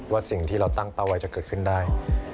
สิ่งที่เราตั้งเป้าไว้จะเกิดขึ้นได้